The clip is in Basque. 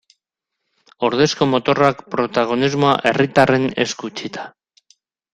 Ordezko motorrak, protagonismoa herritarren esku utzita.